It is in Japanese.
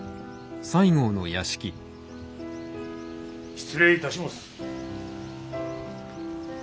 失礼いたしもす。